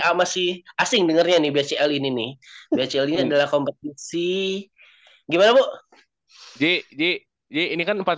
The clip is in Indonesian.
amasi asing dengernya nih bcl ini nih becel ini adalah kompetisi gimana bu ji ji ji ini kan empat puluh